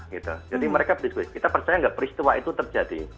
jadi mereka berdiskusi kita percaya enggak peristiwa itu terjadi